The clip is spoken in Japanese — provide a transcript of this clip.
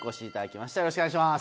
よろしくお願いします。